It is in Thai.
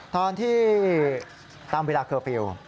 ตอนที่ตามเวลาเคอร์ฟิลล์